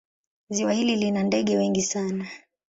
Ziwa hili lina ndege wengi sana.